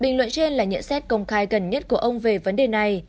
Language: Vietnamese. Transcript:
bình luận trên là nhận xét công khai gần nhất của ông về vấn đề này